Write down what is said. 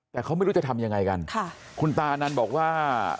แต่เขาไม่รู้จะทำยังไงกันค่ะคุณตาอนันต์บอกว่า